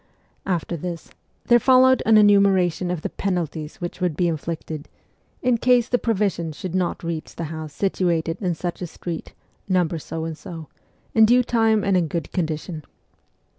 After this there followed an enumeration of the penal 42 MEMOIRS OF A REVOLUTIONIST ties which would be inflicted in case the provisions should not reach the house situated in such a street, number so and so, in due time and in good condition.